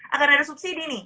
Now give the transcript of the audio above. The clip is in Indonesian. akan ada subsidi nih